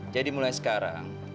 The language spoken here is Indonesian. jadi mulai sekarang